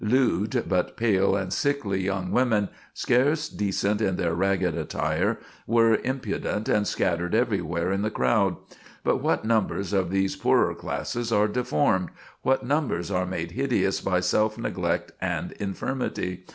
Lewd, but pale and sickly young women, scarce decent in their ragged attire, were impudent and scattered everywhere in the crowd. But what numbers of these poorer classes are deformed what numbers are made hideous by self neglect and infirmity!